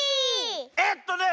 えっとね